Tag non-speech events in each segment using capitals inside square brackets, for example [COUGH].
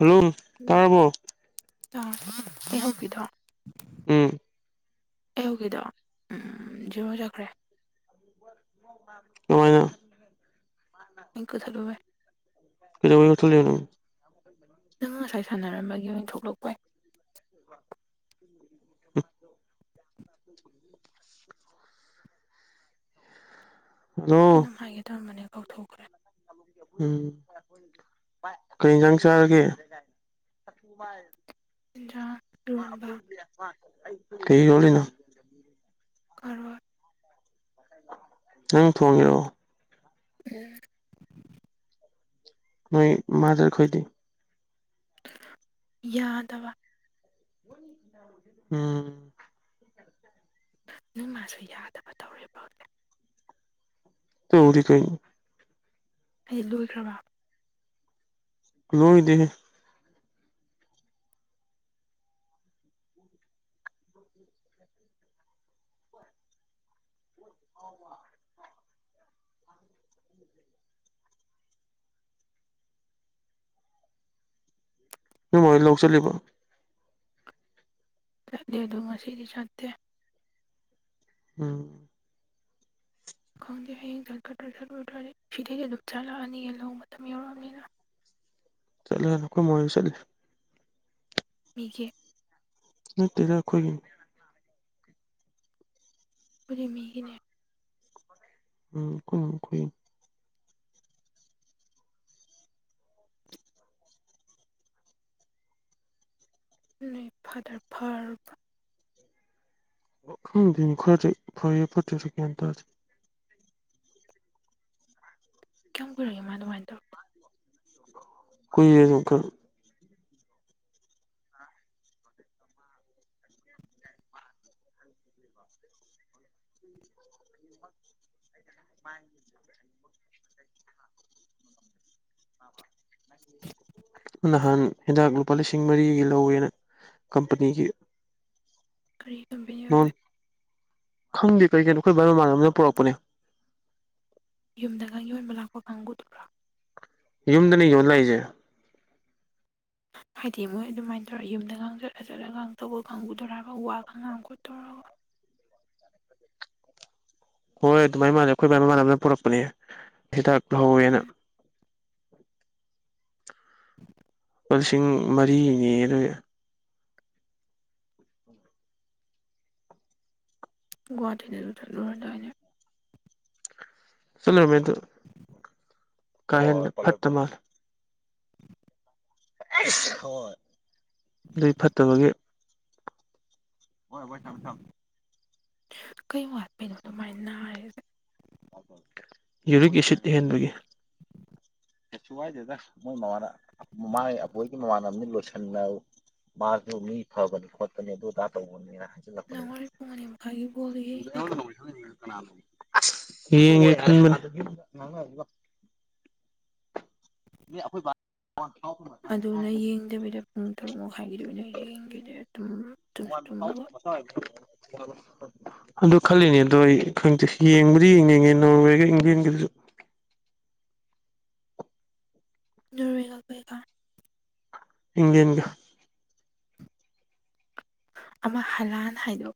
ꯍꯂꯨꯝ ꯇꯍꯧ ꯄꯗꯣ ꯎꯝ ꯑꯩ ꯍꯧꯖꯤꯛ ꯀꯤꯗꯣ ꯎꯝ ꯖꯦꯔꯣ ꯆꯠꯈ꯭ꯔꯦ꯫ ꯍꯣꯏ ꯀꯃꯥꯏꯅ ꯑꯝ ꯈꯥꯛꯊꯠ ꯂꯣ ꯍꯦ꯫ ꯀꯩꯗꯧꯕꯥꯒꯤ ꯃꯨꯊꯠ ꯂꯤꯅꯣ ꯅꯪ ꯉꯁꯥꯏ ꯁꯥꯅꯔꯝ ꯕꯥꯒꯤ ꯇꯣꯛꯂꯛ ꯑꯣꯏ꯫ ꯎ [INAUDIBLE] ꯍꯜꯂꯣ ꯀꯩꯅꯣꯝ ꯍꯥꯏꯒꯦ ꯇꯧꯔꯝꯕ ꯅꯦ ꯀꯧꯊꯣꯛ ꯀꯔꯦ ꯎꯝ ꯀꯩ ꯏꯟꯖꯥꯡ ꯆꯥꯔꯒꯦ ꯁꯥꯛꯊꯨ ꯃꯥꯜ ꯆꯤꯟꯗ꯭ꯔꯥ ꯇꯔꯨꯍꯣꯟꯕ ꯀꯩꯅꯣ ꯅꯦ ꯏꯅꯥꯎ ꯀꯥꯔꯣꯠ ꯅꯪ ꯊꯣꯡꯉꯤꯔꯣ ꯎꯝ ꯅꯣꯏ ꯃꯥꯗꯔ ꯈꯣꯏꯗꯤ꯫ ꯌꯥꯗꯕ ꯎꯝ ꯅꯣꯏ ꯃꯥꯁꯨ ꯌꯥꯗꯕ ꯇꯧꯔꯦꯕ ꯍꯧꯖꯤꯛ ꯇꯧꯔꯤ ꯀꯩꯅꯣ꯫ ꯍꯦꯛꯂꯣꯢ ꯈꯔꯕ [UNINTELLIGIBLE] ꯅꯦ [UNINTELLIGIBLE] ꯍꯣꯏ ꯂꯧ ꯆꯠꯂꯤꯕꯣ ꯆꯠꯂꯤ ꯑꯗꯨꯝ ꯉꯁꯤꯗꯤ ꯆꯠꯇꯦ꯫ ꯎꯝ ꯈꯪꯗꯦ ꯍꯌꯦꯡ ꯆꯠꯀꯗ꯭ꯔꯥ ꯆꯠꯂꯨꯗ꯭ꯔꯗꯤ ꯁꯤꯗꯒꯤ ꯍꯦꯟꯅ ꯆꯠꯂꯛ ꯑꯅꯤꯌꯦ ꯂꯧ ꯃꯇꯝ ꯌꯧꯔꯛ ꯑꯕꯅꯤꯅ꯫ ꯆꯠꯂ ꯅꯣꯏ ꯃꯣꯏ ꯆꯦ ꯃꯤꯒꯤ ꯅꯠꯇꯦꯗ ꯑꯩꯈꯣꯏꯒꯤ ꯈꯣꯢꯗꯤ ꯃꯤꯒꯤꯅꯦ ꯎꯝ ꯑꯩꯈꯣꯏ ꯃꯅꯥ ꯀꯣꯏꯌꯦꯡ ꯅꯣꯏ ꯐꯥꯗꯔ ꯐꯥꯔ ꯈꯪꯗꯦ ꯅꯦ ꯈꯥꯔꯥ ꯆꯩ ꯐꯔꯤꯔꯥ ꯐꯠꯇ꯭ꯔꯤꯔꯥꯗ ꯒ꯭ꯌꯥꯟ ꯇꯥꯗꯦ ꯀꯌꯥꯝ ꯀꯨꯏꯔꯒꯦ ꯃꯥ ꯑꯗꯨꯃꯥꯏꯅ ꯇꯧ ꯀꯨꯢꯔꯦ [UNINTELLIGIBLE] ꯃꯥꯥꯏ [UNINTELLIGIBLE] [UNINTELLIGIBLE] ꯅꯍꯥꯟ ꯍꯤꯗꯥꯛ ꯂꯨꯄꯥ ꯂꯤꯁꯤꯡ ꯃꯔꯤꯒꯤ ꯂꯧꯋꯦꯅꯥ ꯀꯝꯄꯥꯅꯤꯒꯤ ꯀꯔꯤ ꯀꯝꯄꯦꯅꯤ ꯑꯣꯏꯕ ꯅꯣꯟ ꯈꯪꯗꯦ ꯀꯩ-ꯀꯩꯅꯣ ꯑꯩꯈꯣꯏ ꯕꯥꯏ ꯃꯃꯥꯟꯅꯕꯅ ꯄꯨꯔꯛꯄꯅꯦ ꯌꯨꯝ ꯗꯒꯥ ꯌꯣꯟꯕ ꯂꯛ ꯄ ꯀꯪꯒꯨꯗꯨꯔꯣ ꯌꯨꯝꯗꯅꯦ ꯌꯣꯜ ꯂꯥꯛꯏꯁꯦ ꯍꯥꯏꯗꯤ ꯃꯣꯏ ꯑꯗꯨꯃꯥꯏꯅ ꯇꯧꯔꯒ ꯌꯨꯝꯗꯒꯥꯡ ꯆꯠꯂꯒ ꯇꯧꯕ ꯀꯥꯡꯕꯨꯗꯨꯔꯥꯕ ꯋꯥꯒꯥꯥ ꯉꯥꯡ ꯈꯣꯠ ꯇꯧꯔꯥꯒ ꯍꯣꯏ ꯑꯗꯨꯃꯥꯏ ꯃꯥꯜꯂꯦ ꯑꯩꯈꯣꯏ ꯕꯥꯥꯏ ꯃꯥꯃꯥꯟꯅꯕꯅ ꯄꯨꯔꯛꯄꯅꯦ ꯍꯤꯗꯥꯛ ꯂꯧꯍꯧꯋꯦꯅ ꯎꯝ ꯍ [INAUDIBLE] ꯂꯨꯄꯥ ꯂꯤꯁꯤꯡ ꯃꯔꯤꯅꯤ ꯑꯗꯨ ꯨꯍꯥꯇꯅ ꯑꯗꯨ ꯊ ꯂꯔꯗꯩꯅ ꯁꯝ ꯃꯦꯏ ꯑꯗꯨꯗꯥ ꯀꯥꯏꯌꯟꯅ ꯐꯠꯇ ꯃꯥꯜ ꯑꯁ ꯍꯣꯏ ꯃꯤ ꯐꯠꯇꯕꯒꯤ [UNINTELLIGIBLE] ꯀꯩ ꯋꯥ ꯌꯨꯔꯤꯛ ꯑꯦꯁꯤꯠ ꯍꯦꯟꯕꯒꯤ ꯑ ꯀꯁꯨ ꯋꯥꯏꯗꯦꯗ ꯃꯣꯏ ꯃꯃ ꯃꯥꯏ ꯑꯕꯣꯏꯒꯤ ꯃꯃꯥꯅꯕꯅꯤ ꯑꯃꯅꯤ ꯂꯣꯏꯁꯤ ꯍꯟꯅ ꯃꯥꯁꯨ ꯃꯤ ꯐꯕꯅꯤ ꯈꯣꯠꯄꯅꯤ ꯑꯗꯨ ꯑꯗꯥ ꯇꯧꯕꯅꯤꯅ ꯍꯥꯏ ꯅꯪ ꯍꯣꯔꯦꯟ ꯄꯨꯡ ꯃꯅꯤ ꯃꯈꯥꯏꯒꯤ ꯕꯥꯜ ꯗꯣ ꯌꯦꯡꯒꯗꯔꯣ ꯀꯥꯅꯅꯣ ꯑꯁ ꯌꯦꯡꯒꯦ ꯈꯟꯕꯅꯤ ꯃꯤ ꯑꯈꯣꯏ ꯕꯥ ꯕꯣꯟ ꯌꯥꯎꯒꯅꯣꯌꯦ ꯑꯗꯨꯅ ꯌꯦꯡꯗꯕꯤꯗ ꯄꯨꯡ ꯇꯔꯨꯛ ꯃꯈꯥꯏꯒꯤꯗꯕꯤꯅ ꯌꯦꯡꯈꯤꯗꯦ ꯇꯨꯝ ꯇꯨꯝꯁꯨ ꯇꯨꯃꯒ ꯍ ꯑꯗꯨ ꯈꯜꯂꯤꯅꯦ ꯑꯗꯣ ꯑꯩ ꯈꯪꯗꯦ ꯌꯦꯡꯕꯨꯗꯤ ꯌꯦꯡ ꯌꯦꯡꯉꯦ ꯅꯣꯔꯋꯦꯒ ꯏꯪꯂꯪꯂꯦꯟꯒꯤ ꯗꯨꯁꯨ ꯅꯨꯔꯒ ꯀꯩꯒꯥ ꯏꯪꯂꯦꯟꯒ ꯑꯃ ꯍꯂꯥꯟ ꯍꯥꯏꯗꯣ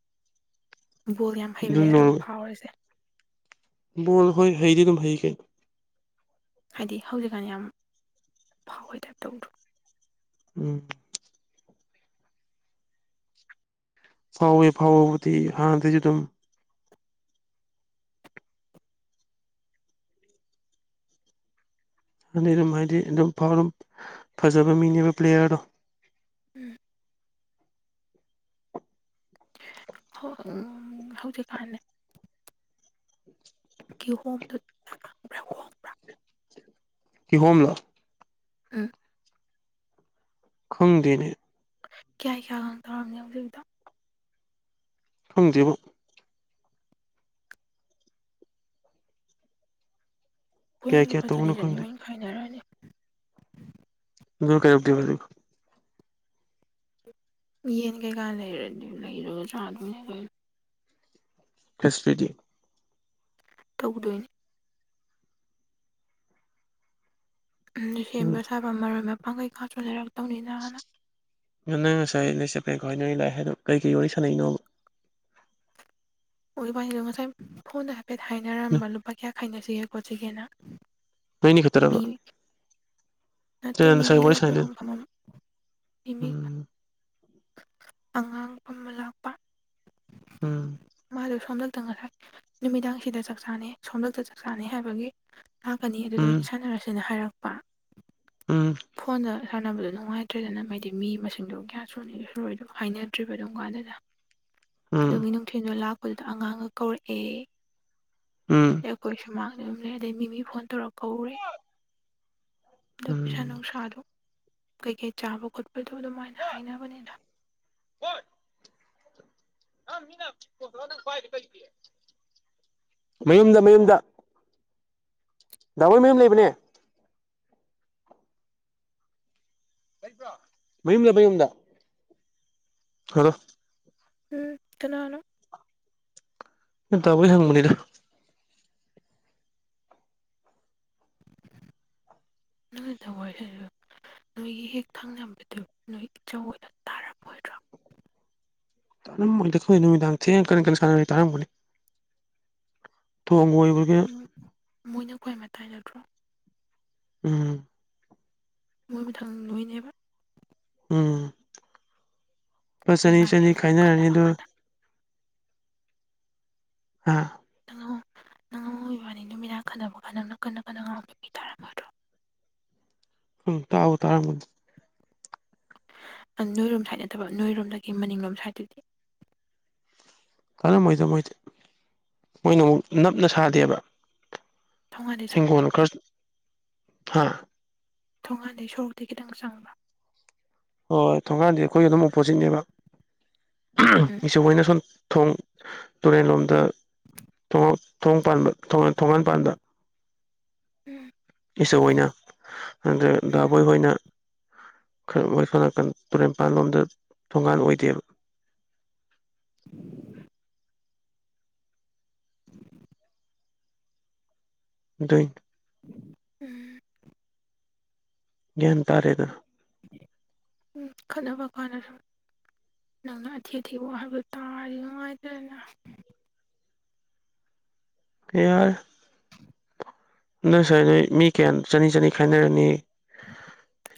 ꯕꯣꯜ ꯌꯥꯝ ꯑꯗꯨ ꯍꯩꯕꯩꯔ ꯍꯥꯏꯕ ꯅꯣꯔꯋꯦ ꯐꯥꯎꯔꯤꯁꯦ ꯕꯣꯜ ꯍꯣꯏ ꯍꯩꯗꯤ ꯑꯗꯨꯝ ꯍꯩ ꯀꯩꯅ ꯍꯥꯏꯗꯤ ꯍꯧꯖꯤꯛꯀꯥꯟ ꯌꯥꯝ ꯐꯥꯎꯕꯩ ꯇꯥꯏꯞ ꯇꯧꯗ꯭ꯔꯣ ꯎꯝ ꯐꯥꯎꯋꯦ ꯐꯥꯎꯋꯣꯕꯨꯗꯤ ꯑꯥꯗꯩꯁꯨ ꯗꯨꯝ ꯑꯗꯨꯗꯤ ꯑꯗꯨꯝ ꯍꯥꯏꯗꯤ ꯑꯗꯨꯝꯥꯎ ꯐꯖꯕ ꯃꯤꯅꯦꯕ ꯄ꯭ꯂꯦꯌꯥꯔꯗꯣ ꯎꯝ ꯍꯣ ꯎꯝ ꯍꯧꯖꯤꯛ ꯐꯥꯍꯜꯂꯦ ꯀꯤꯍꯣꯝ [UNINTELLIGIBLE] ꯀꯤꯍꯣꯝꯂꯣ ꯎꯝ ꯈꯪꯗꯦ ꯅꯦ ꯀꯌꯥ ꯀꯌꯥ ꯈꯪ ꯇꯧꯔꯝꯒꯦ ꯍꯧꯖꯤꯛꯛꯇ ꯈꯪꯗꯦ ꯕꯣ ꯀꯌꯥ ꯄꯣꯌꯦꯡ ꯀꯌꯥ ꯂꯨꯄꯥ ꯇꯧꯕꯅꯣ ꯆꯅꯤ-ꯆꯅꯤ ꯈꯪꯗꯦ ꯍꯣꯏꯅ ꯈꯥꯏꯅꯔꯅꯤ ꯑꯗꯨꯒ ꯀꯩꯗꯧꯗꯣꯏꯕ ꯌꯦꯟ ꯀꯩ ꯀꯥꯟꯂꯔꯗꯤ ꯂꯩ ꯍꯔꯔꯕꯑꯣ ꯆꯗ ꯈ꯭ꯔꯤꯁꯤꯗꯤ ꯇꯧꯗꯣꯏꯅꯤ ꯎꯝ ꯁꯦꯝꯕ ꯁꯥꯕ ꯃꯔꯣꯏ ꯑꯣꯏꯅ ꯄꯥꯡꯒꯩ ꯀꯥꯁꯨ ꯂꯩꯔꯛꯇꯧꯅꯤꯅ ꯍꯥꯟꯅ ꯉꯪ ꯅꯪ ꯉꯁꯥꯏ ꯅꯁꯦꯄꯔꯦꯡꯀꯣ ꯍꯥꯏꯅꯔꯤ ꯂꯥꯛꯑ ꯍꯥꯏꯗꯣ ꯀꯔꯤ ꯀꯔꯤ ꯋꯥꯔꯤꯥꯟꯅꯔꯤꯅꯣꯕ ꯑꯣꯏ ꯋꯥꯅꯤꯗꯣ ꯉꯁꯥꯏ ꯐꯣꯟꯗ ꯍꯥꯏꯐꯦꯠ ꯍꯥꯏꯅꯔꯝꯕ ꯂꯨꯄꯥ ꯀꯌꯥ ꯈꯥꯏꯅꯁꯤꯒꯦ ꯈꯣꯠꯁꯤꯒꯦꯅ ꯅꯣꯏ ꯑꯅꯤ ꯃꯤ ꯈꯠꯇꯔꯕ ꯅꯠꯇꯦ ꯃꯤꯃꯤꯒ ꯑꯩꯈꯣꯏ ꯑꯍꯨꯝ ꯐꯥꯃꯝ ꯃꯤꯃꯤ ꯎꯝ ꯑꯉꯥꯡ ꯐꯝꯕ ꯂꯥꯛꯄ ꯎꯝ ꯃꯥꯗꯣ ꯁꯣꯟꯗꯛ ꯇ ꯉꯥꯔꯥꯡ ꯅꯨꯃꯤꯗꯥꯡ ꯁꯤꯗ ꯆꯥꯛ ꯆꯥꯅꯦ ꯁꯣꯝꯗꯇꯥ ꯆꯥꯛ ꯆꯥꯅꯦ ꯍꯥꯏꯕꯒꯤ ꯂꯥꯛꯀꯅꯤ ꯑꯗꯨꯗ ꯎꯝ ꯑꯣꯏꯅ ꯁꯥꯟꯅꯔꯁꯦꯅ ꯍꯥꯏꯔꯛꯄ ꯎꯝ ꯐꯣꯟꯗ ꯁꯥꯟꯅꯕꯗꯣ ꯅꯨꯡꯉꯥꯏꯇ꯭ꯔꯦꯗꯅ ꯍꯥꯏꯗꯤ ꯃꯤ ꯃꯁꯤꯡꯗꯣ ꯒꯌꯥꯟ ꯁꯣꯅꯤꯔꯣꯏ ꯑꯗꯨꯝ ꯍꯥꯏꯅꯗ꯭ꯔꯤꯕ ꯑꯗꯨꯝ ꯀꯥꯟꯗꯨꯗ ꯎꯝ ꯑꯗꯨꯒꯤ ꯊꯣꯏꯅꯣ ꯂꯥꯛꯄꯗꯨꯗ ꯑꯉꯥꯡꯒ ꯀꯧꯔꯛꯑꯦ ꯎꯝ ꯑꯩꯈꯣꯏ ꯁꯨꯃꯥꯡꯗꯕꯅꯦ ꯑꯗꯩ ꯃꯤꯃꯤ ꯐꯣꯟ ꯇꯧꯔꯒ ꯀꯧꯔꯦ ꯑꯗꯣ ꯄꯩꯁꯥ ꯎꯝ ꯅꯨꯡꯁꯥꯗꯣ ꯀꯩꯀꯩ ꯆꯥꯕ ꯈꯣꯠꯄꯗꯣ ꯑꯗꯨꯃꯥꯏꯅ ꯍꯥꯏꯅꯕꯅꯤꯗ [UNINTELLIGIBLE] ꯃꯌꯨꯝꯗ ꯃꯌꯨꯝꯗ ꯗꯥꯕꯣꯏ ꯃꯌꯨꯝ ꯂꯩꯕꯅꯦ꯫ ꯭ꯔ ꯃꯌꯨꯝꯗ ꯃꯌꯨꯝꯗ [UNINTELLIGIBLE] ꯎꯝ ꯀꯩꯅꯅꯣ ꯇꯥꯕꯩ ꯍꯪꯕꯅꯤꯗ [INAUDIBLE] [UNINTELLIGIBLE] ꯅꯣꯏꯒꯤ ꯍꯦꯛ ꯊꯪꯅꯕꯗꯨ ꯅꯣꯏ ꯏꯆꯧ ꯑꯣꯏꯅ ꯇꯥꯔꯄꯣꯏꯔꯣ ꯇꯥꯔꯃꯣꯏꯗꯤ ꯑꯩꯈꯣꯏ ꯅꯨꯃꯤꯗꯥꯡ ꯊꯦꯡꯅ ꯀꯔꯤ ꯀꯔꯤ ꯁꯥꯟꯅ ꯇꯥꯔꯝꯒꯅꯤ [UNINTELLIGIBLE] [UNINTELLIGIBLE] ꯎꯝ ꯃꯣꯏꯕꯨ ꯊꯥꯡ ꯅꯨꯍꯏꯅꯦꯕ ꯎꯝ ꯂꯨꯄꯥ ꯅꯪ ꯆꯅꯤ ꯏꯕꯥꯅꯤ ꯆꯅꯤ ꯑꯃꯨꯛ ꯈꯥꯏꯅꯔꯅꯤ ꯈꯠꯅꯕ ꯑꯗꯣ ꯀꯥꯟꯗ ꯑꯥ ꯋꯥꯅꯤ ꯅꯨꯃꯤꯠꯅꯥꯛ ꯈꯟꯅꯕ ꯀꯥꯟꯅ ꯀꯟꯅꯥꯇꯟ ꯑꯥꯄꯤ ꯇꯔꯝ [UNINTELLIGIBLE] ꯎꯝ ꯇꯥꯋꯣ ꯇꯥꯔꯝꯒꯅꯤ ꯅꯣꯏ ꯔꯣꯝ ꯁꯥꯏꯗ ꯅꯠꯇꯥꯕ ꯅꯣꯏꯔꯣꯝꯗꯒꯤ ꯃꯅꯤꯡꯂꯣꯝ ꯁꯥꯏꯠꯇꯒꯤ ꯀꯜꯂꯝꯃꯣꯏꯗ ꯃꯣꯏꯗꯤ ꯃꯣꯏꯗꯤ ꯃꯣꯏꯅ ꯑꯃꯨꯛ ꯅꯞꯅ ꯁꯥꯗꯦꯕ ꯊꯣꯡꯒꯥꯟꯗꯩ ꯆꯪꯕ꯭ꯔꯣ ꯍꯤꯡꯒꯣꯜ ꯈꯔꯥ ꯍꯥ ꯊꯣꯡꯉꯥꯟꯗꯩ ꯁꯣꯔꯣꯛꯊꯩ ꯈꯤꯇꯪ ꯆꯪꯕ꯭ꯔꯥ ꯍꯣꯏ ꯍꯣꯏ ꯊꯣꯡꯒꯥꯟꯗꯤ ꯑꯩꯈꯣꯏ ꯑꯗꯨꯝ ꯑꯣꯄꯣꯖꯤꯠꯅꯦꯕ ꯎꯝ [UNINTELLIGIBLE] ꯁꯨꯝ ꯊꯣꯡ ꯇꯨꯔꯦꯟ ꯂꯣꯝꯗ ꯊꯣꯡ ꯊꯣꯡ ꯄꯥꯟꯕ ꯊꯣꯡꯒꯥꯟ ꯊꯣꯡꯉꯥꯟ ꯄꯥꯟꯕ [UNINTELLIGIBLE] ꯏꯁꯆꯧ ꯑꯣꯏꯅ ꯑꯗꯥ ꯎꯝ ꯗꯥꯕꯣꯏ ꯍꯣꯏꯅ ꯈꯔ ꯃꯣꯏ ꯁꯣ ꯅꯥꯀꯟ ꯇꯨꯔꯦꯟꯄꯥꯟ ꯂꯣꯝꯗ ꯊꯣꯡꯒꯥꯟ ꯑꯣꯏꯗꯦꯕ [INAUDIBLE] ꯗꯨꯏ [UNINTELLIGIBLE] ꯒ꯭ꯌꯥꯟ ꯇꯥꯔꯦꯗ ꯎꯝ ꯈꯠꯅꯕ ꯀꯅꯔꯣꯏ ꯅꯪꯅ ꯑꯊꯤ ꯑꯊꯤꯕ ꯍꯥꯏꯕꯗꯨ ꯇꯥꯔꯤ ꯅꯨꯡꯉꯥꯏꯇꯗꯅ ꯌꯥꯔꯦ [INAUDIBLE] ꯅꯪ ꯁꯥꯔ ꯅꯣꯏ ꯃꯤ ꯀꯌꯥꯝ ꯆꯅꯤ ꯆꯅꯤ ꯈꯥꯏꯅꯔꯅꯤ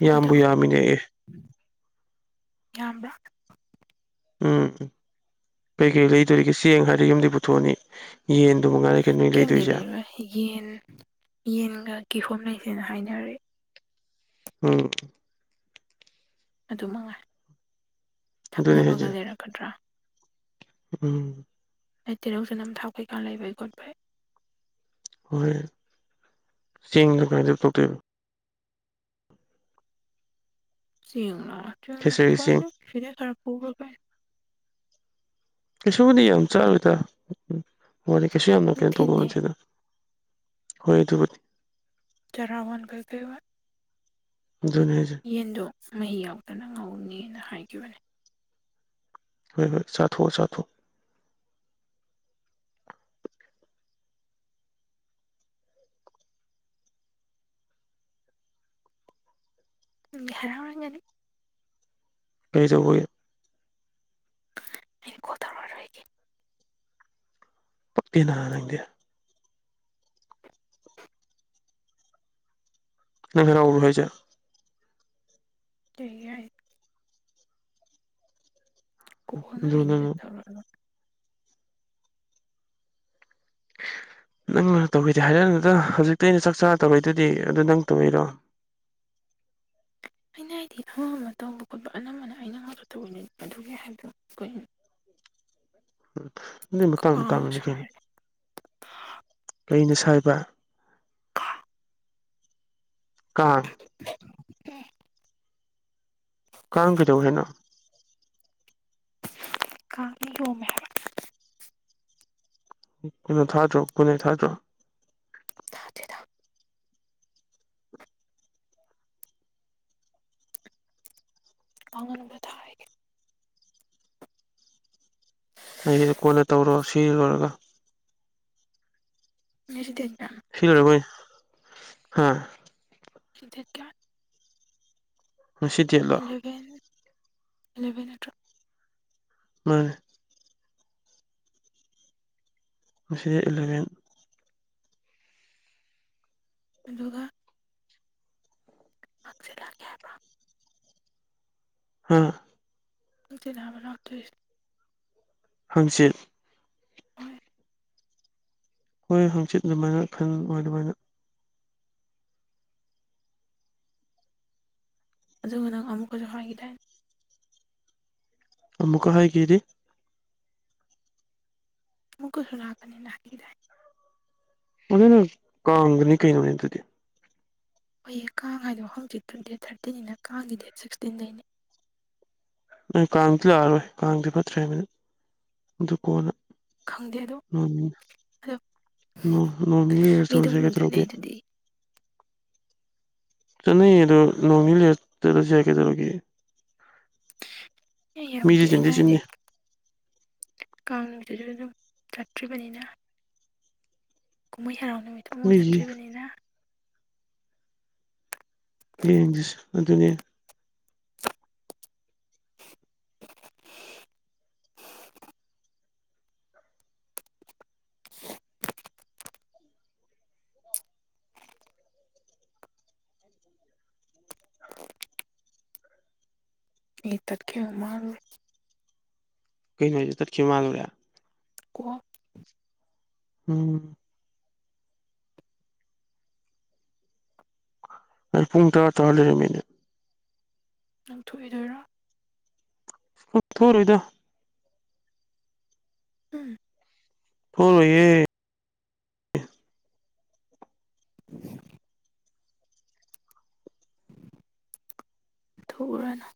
ꯌꯥꯝꯕꯨ ꯌꯥꯝꯃꯤꯅꯦ ꯑꯦ ꯌꯥꯝ꯭ꯔ ꯎꯝ ꯎꯝ ꯀꯩꯀꯩ ꯂꯩꯗꯣꯔꯤꯒꯦ ꯆꯦꯡ ꯍꯥꯏꯔ ꯌꯨꯝꯗꯤ ꯄꯨꯊꯣꯛꯑꯅꯤ ꯌꯦ ꯑꯗꯨ ꯀꯦꯝꯗꯤ ꯂꯩꯔꯣꯏ ꯌꯦꯟ ꯌꯦꯟꯒ ꯀꯤꯍꯣꯝ ꯂꯩꯁꯦꯅ ꯍꯥꯏꯅꯔꯦ ꯎꯝ ꯑꯗꯨ ꯃꯉꯥꯏ ꯑꯗꯨꯅꯤ ꯍꯥꯏꯁꯦ ꯊꯛꯅꯕꯒ ꯂꯩꯔꯛꯀꯥꯗ꯭ꯔꯥ ꯎꯝ ꯑꯩ ꯇꯤꯜꯍꯧ ꯆꯅꯝ ꯊꯥꯎ ꯀꯩꯀꯥ ꯂꯩꯕꯩ ꯈꯣꯠꯄꯩ ꯍꯣꯏ ꯆꯦꯡꯗꯣ ꯅꯣꯏꯗꯩ ꯄꯣꯔꯛꯇꯣꯏꯔꯣ ꯆꯦꯡ ꯂꯥꯛꯇ꯭ꯔꯥꯅ ꯈꯦꯆꯔꯤ ꯆꯦꯡ ꯈ꯭ꯋꯥꯂꯞ ꯈꯤꯔꯥ ꯈꯔ ꯄꯨꯕ ꯕꯥꯏ ꯀꯩꯁꯨꯕꯨꯗꯤ ꯌꯥꯝ ꯆꯥꯔꯣꯏꯗ ꯎꯝ ꯃꯣꯏꯗꯤ ꯀꯩꯁꯨ ꯌꯥꯝꯅ ꯀꯩꯅꯣ ꯇꯧꯗꯧ ꯅꯨꯡꯊꯤꯟꯅꯦ ꯅꯠꯇꯦꯗ ꯍꯣꯏ ꯑꯗꯨꯕꯨꯗꯤ ꯆꯔꯥ ꯋꯥꯟꯕꯣꯏ ꯀꯩ ꯑꯣꯏ ꯑꯗꯨꯅꯦ ꯍꯥꯏꯁꯦ ꯌꯦꯟꯗꯣ ꯃꯍꯤ ꯌꯥꯎꯗꯅ ꯉꯧꯅꯤꯅ ꯍꯥꯏꯈꯤꯕꯅꯦ ꯍꯣꯏ ꯍꯣꯏ ꯆꯥꯊꯣꯛꯑꯣ ꯆꯥꯊꯣꯛꯑꯣ ꯅꯪꯗꯤ ꯍꯔꯥꯎꯔꯝꯒꯅꯤ ꯀꯩꯗꯧꯕꯥꯒꯤ ꯑꯩ ꯀꯣꯜ ꯇꯧꯔꯥꯔꯣꯏꯒꯦ ꯄꯤꯅ ꯅꯪꯗꯤ ꯅꯪ ꯍꯔꯥꯎꯕꯔꯣ ꯍꯩꯁꯦ ꯀꯩꯒꯤ ꯀꯣꯅ ꯑꯗꯨ ꯑꯩꯅꯗꯤ ꯅꯪ ꯇꯧꯔꯛꯑꯔꯣꯏ ꯅꯪꯅ ꯇꯧꯒꯦꯗꯤ ꯍꯥꯏꯔꯛꯑꯅꯨꯗ ꯍꯧꯖꯤꯛꯇ ꯑꯩꯅ ꯆꯥꯛ ꯆꯥꯔꯥ ꯇꯧꯔꯛꯏꯗꯨꯗꯤ ꯑꯗꯨ ꯅꯪ ꯇꯧꯔꯤꯔꯣ ꯑꯩꯅ ꯍꯥꯏꯗꯤ ꯑꯃ ꯑꯃ ꯇꯧꯕ ꯈꯣꯠ ꯄꯥ ꯑꯅꯥꯝꯕ ꯅꯥ ꯑꯩꯅ ꯅꯠꯇꯥ ꯇꯧꯋꯤ ꯅꯤ ꯑꯗꯨꯒꯤ ꯍꯥꯏꯕꯅꯤ ꯀꯩꯅꯣ ꯎꯝ ꯃꯇꯥꯡ- ꯃꯇꯥꯡꯅ ꯀꯥꯡꯅ ꯅꯦ ꯀꯩꯅꯣ ꯁꯥꯔꯦ ꯀꯩꯅꯥ ꯁꯥꯏꯕ ꯀꯥꯡ [UNINTELLIGIBLE] ꯀꯥꯡ ꯀꯩꯇꯧꯋꯦ ꯍꯥꯏꯅꯣ ꯀꯥꯡꯅ ꯌꯣꯝꯃꯦ ꯍꯥꯏꯕ ꯀꯩꯅꯣ ꯊꯥꯗ꯭ꯔꯣ ꯒꯨꯠ ꯅꯥꯏꯠ ꯊꯥꯗ꯭ꯔꯣ ꯊꯥꯗꯦꯗꯥ [UNINTELLIGIBLE] ꯑꯩꯒꯤꯗꯤ ꯀꯣꯟꯅ ꯇꯧꯔꯣ ꯁꯤ ꯂꯣꯏꯔꯒ ꯉꯁꯤ ꯗꯦꯠ ꯀꯌꯥ ꯊ꯭ꯔꯤ ꯑꯣꯏꯔꯝꯒꯅꯤ ꯍꯥ ꯗꯦꯠ ꯀꯌꯥ ꯉꯁꯤ ꯗꯦꯠ ꯂꯣ ꯏꯂꯦꯚꯦꯟ ꯅꯠꯇ꯭ꯔꯣ ꯃꯥꯅꯦ ꯉꯁꯤ ꯏꯂꯦꯚꯦꯟ ꯑꯗꯨꯒ ꯍꯥꯡꯆꯤꯠ ꯂꯥꯛꯀꯦ ꯍꯥꯏꯕ꯭ꯔꯣ ꯍꯥ ꯍꯥꯡꯆꯤꯠ ꯂꯕ ꯂꯥꯛꯇꯣꯏꯁꯦ ꯍꯪꯆꯤꯠ ꯍꯣꯏ ꯍꯣꯏ ꯍꯪꯆꯤꯠ ꯑꯗꯨꯃꯥꯏꯅ ꯈꯟ ꯑꯗꯨꯃꯥꯏꯅ ꯑꯗꯨꯒ ꯅꯪ ꯑꯃꯨꯛꯀꯁꯨ ꯍꯥꯏꯈꯤ ꯗꯥꯏ ꯑꯃꯨꯛꯀꯥ ꯍꯥꯏꯒꯤꯗꯤ ꯑꯃꯨꯛꯀꯥꯖꯨ ꯂꯥꯛꯀꯥꯅꯤꯅ ꯍꯥꯏꯒꯤꯗꯥꯏ ꯑꯗꯨꯅ ꯀꯥꯡꯗꯒꯤꯅꯦ ꯀꯩꯅꯣ ꯑꯗꯨꯗꯤ ꯍꯣꯌꯦ ꯀꯥꯡ ꯍꯥꯏꯗꯣ ꯍꯪꯆꯤꯠ ꯊꯥꯔꯇꯤꯟꯅꯤꯅ ꯀꯥꯡꯒꯤ ꯗꯦꯠ ꯁꯤꯛꯁꯇꯤꯟꯗꯩꯅꯤ ꯅꯣꯏ ꯀꯥꯡꯗꯤ ꯂꯥꯛꯑꯔꯣꯏ ꯀꯥꯡꯗꯤ ꯐꯠꯇ꯭ꯔꯦ ꯃꯤꯅꯠ ꯑꯗꯨ ꯀꯣꯟꯅ ꯈꯪꯗꯦ ꯑꯗꯣ ꯑꯗꯣ ꯅꯣꯡꯅꯤ-ꯅꯣꯡ-ꯅꯣꯡꯅꯤ ꯂꯩꯔꯥ ꯆꯠꯂꯨꯁꯦ ꯃꯤꯗꯨꯝ ꯀꯩꯗꯧꯔꯒꯦ ꯆꯠꯅꯩ ꯑꯗꯨꯗꯤ ꯆꯠꯅꯩꯌꯦ ꯑꯗꯨ ꯅꯣꯡ ꯅꯤ ꯂꯩꯔꯥ ꯆꯠꯂꯥꯁꯨ ꯌꯥꯏ ꯀꯩꯗꯧꯔꯒꯦ ꯑꯦ ꯃꯤꯗꯤ ꯌꯥꯝꯗꯤꯦ ꯑꯩꯅ ꯆꯤꯟꯗꯤ ꯍꯥꯏꯗꯤ ꯆꯤꯟꯅꯤ ꯀꯥꯡ ꯅꯨꯡꯁꯤꯁꯨ ꯑꯗꯨꯝ ꯆꯠꯇ꯭ꯔꯤꯕꯅꯤꯅ ꯀꯨꯝꯩ ꯍꯔꯥꯎꯅꯕꯇ ꯃꯤꯒꯤ ꯃꯖꯥꯗ꯭ꯔꯤꯕꯅꯤꯅ ꯌꯦꯡꯖꯤꯁꯦ ꯑꯗꯨꯅꯤ ꯏ ꯇꯠ ꯀꯦ ꯃꯥꯔꯔꯨ ꯀꯩꯅꯣ ꯍꯥꯏꯁꯦ ꯇꯠꯈꯤꯕ ꯃꯥꯜꯂꯨꯔꯦ ꯀꯣꯝ ꯎꯝ ꯑꯩ ꯄꯨꯡ ꯇꯔꯥ ꯇꯔ ꯂꯩꯔꯝꯃꯤꯅꯦ ꯅꯪꯊꯣꯛꯏꯗꯣꯏꯔꯣ ꯎꯠꯊꯣꯔꯣꯏꯗꯥ ꯎꯝ ꯍꯌꯦ [INAUDIBLE] ꯊꯔꯅ